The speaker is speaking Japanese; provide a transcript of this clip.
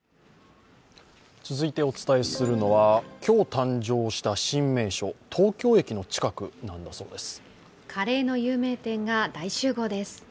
続いてお伝えするのは、今日誕生した新名所、東京駅の近くなんだそうです。